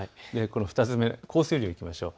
２つ目、降水量いきましょう。